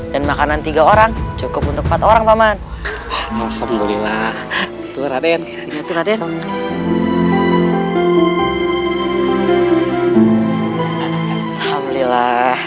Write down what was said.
dan makanan tiga orang cukup untuk empat orang paman alhamdulillah turah dengannya turah dengannya